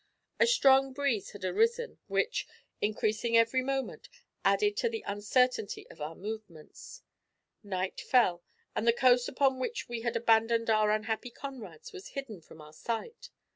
A strong breeze had arisen, which, increasing every moment, added to the uncertainty of our movements. Night fell, and the coast upon which we had abandoned our unhappy comrades was hidden from our sight.